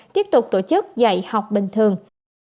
tiếp tục tổ chức dạy học bình thường